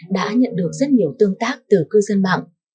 đã nhận được rất nhiều tương tác từ cư dân mạng